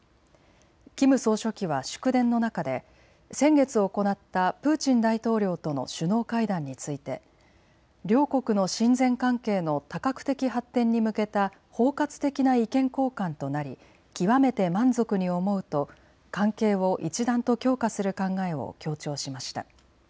キム総書記は祝電の中で先月、行ったプーチン大統領との首脳会談について両国の親善関係の多角的発展に向けた包括的な意見交換となり極めて満足に思うと関係を一段と強化する考えを強調しました。